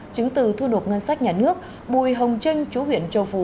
chứng từ thu nộp ngân sách nhà nước bùi hồng trinh chú huyện châu phú